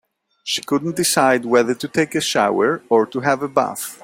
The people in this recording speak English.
She couldn't decide whether to take a shower or to have a bath.